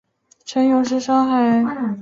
程勇是上海一间印度神油店的老板。